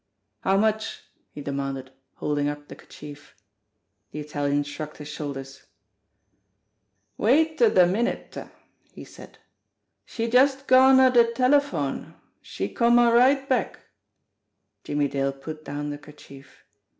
"How much ?" he demanded, holding up the kerchief. The Italian shrugged his shoulders. "Wait a da minute," he said. "She just gone a da tele phone. She come a right back." Jimmie Dale put down the kerchief.